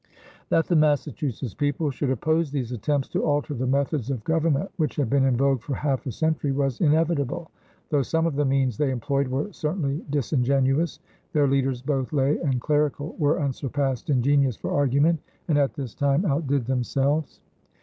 That the Massachusetts people should oppose these attempts to alter the methods of government which had been in vogue for half a century was inevitable, though some of the means they employed were certainly disingenuous. Their leaders, both lay and clerical, were unsurpassed in genius for argument and at this time outdid themselves.